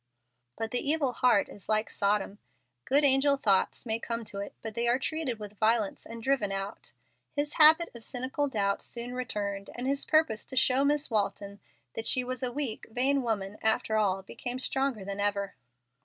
But the evil heart is like Sodom. Good angel thoughts may come to it, but they are treated with violence and driven out. His habit of cynical doubt soon returned, and his purpose to show Miss Walton that she was a weak, vain woman after all became stronger than ever.